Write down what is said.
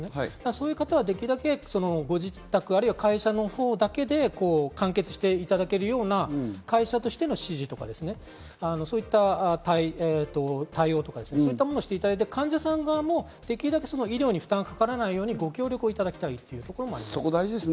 そういう方はできるだけご自宅あるいは会社のほうだけで完結していただけるような、会社としての指示とか、そういった対応とかをしていただいて、患者さんもできるだけ医療に負担がかからないように、ご協力いただきたいというところもあります。